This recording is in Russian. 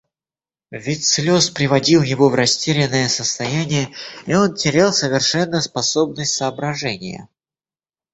Вид слез приводил его в растерянное состояние, и он терял совершенно способность соображения.